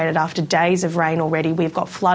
penemuan terang sudah disaturasi setelah beberapa hari yang lalu